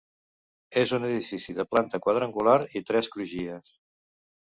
És un edifici de planta quadrangular i tres crugies.